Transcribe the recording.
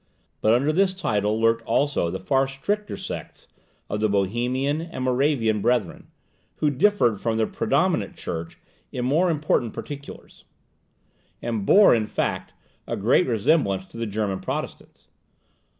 But under this title lurked also the far stricter sects of the Bohemian and Moravian Brethren, who differed from the predominant church in more important particulars, and bore, in fact, a great resemblance to the German Protestants.